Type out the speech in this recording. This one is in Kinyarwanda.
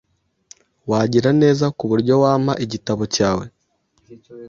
Wagira neza kuburyo wampa igitabo cyawe?